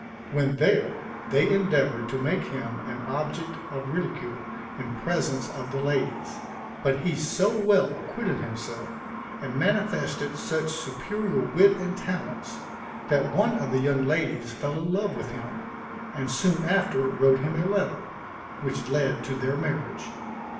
When there, they endeavored to make him an object of ridicule, in presence of the ladies; but he so well acquitted himself, and manifested such superior wit and talents, that one of the young ladies fell in love with him, and soon after wrote him a letter, which led to their marriage.